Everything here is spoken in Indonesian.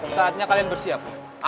saatnya kalian bersiap